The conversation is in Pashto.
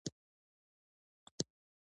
مسافر